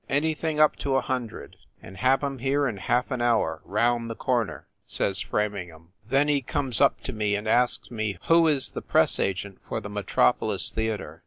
"Anything up to a hundred and have em here in half an hour round the corner!" says Framing ham. Then he comes up to me and asks me who is the press agent for the Metropolis Theater.